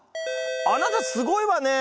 あなたすごいわね。